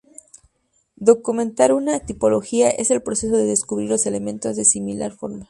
Documentar una tipología es el proceso de descubrir los elementos de similar forma.